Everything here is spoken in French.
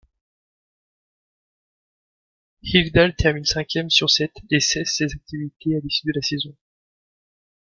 Hilldale termine cinquième sur sept et cesse ses activités à l'issue de la saison.